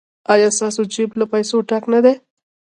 ایا ستاسو جیب له پیسو ډک نه دی؟